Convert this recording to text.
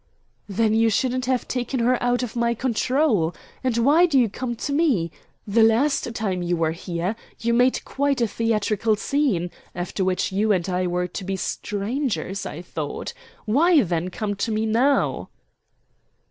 "Then you shouldn't have taken her out of my control. And why do you come to me? The last time you were here you made quite a theatrical scene, after which you and I were to be strangers, I thought. Why, then, come to me now?"